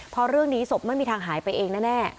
เพราะเรื่องนี้ศพไม่มีทางหายไปเองแน่